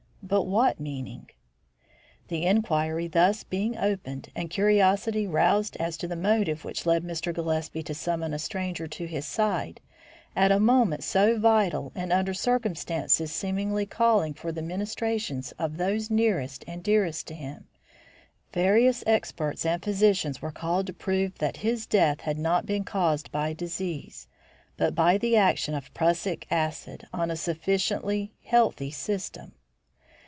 But what meaning? The inquiry thus being opened, and curiosity roused as to the motive which led Mr. Gillespie to summon a stranger to his side at a moment so vital and under circumstances seemingly calling for the ministrations of those nearest and dearest to him, various experts and physicians were called to prove that his death had not been caused by disease, but by the action of prussic acid on a sufficiently healthy system.